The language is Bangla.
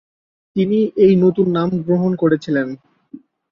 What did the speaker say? তিনি এই নতুন নাম গ্রহণ করেছিলেন।